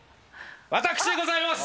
私でございます。